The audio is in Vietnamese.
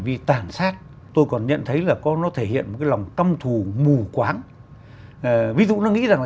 vi tàn sát tôi còn nhận thấy là có nó thể hiện một cái lòng căm thù mù quáng ví dụ nó nghĩ rằng là